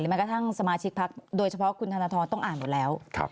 แม้กระทั่งสมาชิกพักโดยเฉพาะคุณธนทรต้องอ่านหมดแล้ว